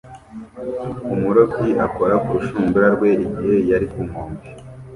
Umurobyi akora ku rushundura rwe igihe yari ku nkombe